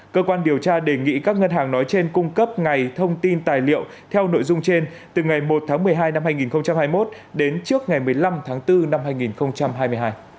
cơ quan điều tra đề nghị các ngân hàng nói trên cung cấp ngày thông tin tài liệu theo nội dung trên từ ngày một tháng một mươi hai năm hai nghìn hai mươi một đến trước ngày một mươi năm tháng bốn năm hai nghìn hai mươi hai